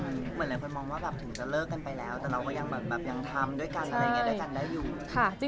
เหมือนหลายคนมองว่าแบบถึงจะเลิกกันไปแล้วแต่เราก็ยังแบบยังทำด้วยกันอะไรอย่างนี้ด้วยกันได้อยู่